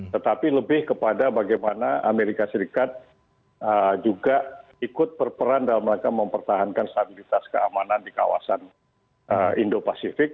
tetapi lebih kepada bagaimana amerika serikat juga ikut berperan dalam mereka mempertahankan stabilitas keamanan di kawasan indo pasifik